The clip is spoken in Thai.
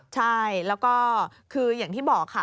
ใช่แล้วก็คืออย่างที่บอกค่ะ